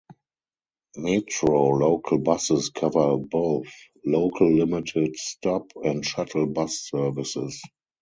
Metro Local buses cover both local, limited-stop, and shuttle bus services.